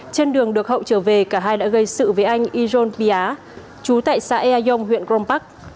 trên đường được hậu trở về cả hai đã gây sự với anh ijon pia chú tại xã ea dông huyện grom park